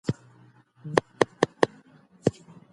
پناه ورکول يو انساني او اسلامي مسووليت دی.